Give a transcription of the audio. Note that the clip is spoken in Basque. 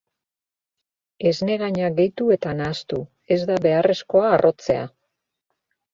Esnegaina gehitu eta nahastu, ez da beharrezkoa harrotzea.